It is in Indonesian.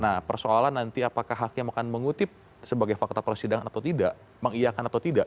nah persoalan nanti apakah hakim akan mengutip sebagai fakta persidangan atau tidak mengiakan atau tidak